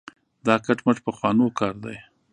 دا کټ مټ پخوانو کار دی.